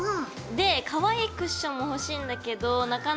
でかわいいクッションも欲しいんだけどなかなか見つからないのよ。